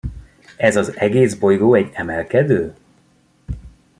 Ez az egész bolygó egy emelkedő?